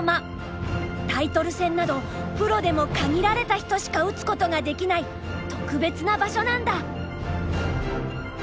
タイトル戦などプロでも限られた人しか打つことができない特別な場所なんだ。